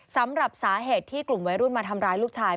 สำหรับสาเหตุที่กลุ่มวัยรุ่นมาทำร้ายลูกชาย